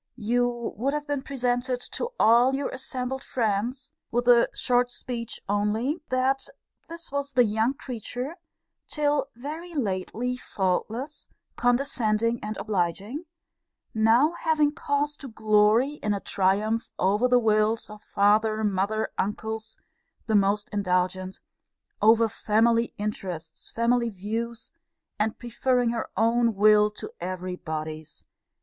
You would have been presented to all your assembled friends, with a short speech only, 'That this was the young creature, till very lately faultless, condescending, and obliging; now having cause to glory in a triumph over the wills of father, mother, uncles, the most indulgent; over family interests, family views; and preferring her own will to every body's!